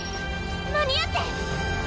間に合って！